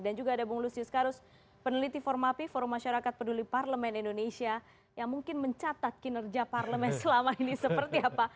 dan juga ada bung lusius karus peneliti formapi forum masyarakat peduli parlemen indonesia yang mungkin mencatat kinerja parlemen selama ini seperti apa